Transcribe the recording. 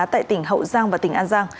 tại tỉnh hậu giang và tỉnh an giang